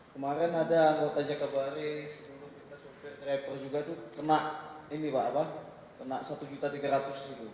kemarin ada anggota jagabari sepuluh lintas lampung trapper juga itu kena ini pak apa kena rp satu tiga ratus